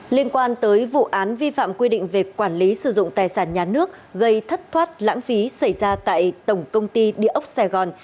liên quan tới vụ án vi phạm quy định về quản lý sử dụng tài sản nhà nước gây thất thoát lãng phí xảy ra tại tổng công ty địa ốc sài gòn